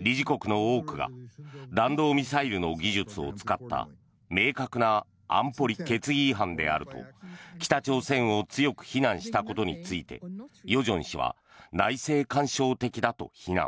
理事国の多くが弾道ミサイルの技術を使った明確な安保理決議違反であると北朝鮮を強く非難したことについて与正氏は内政干渉的だと非難。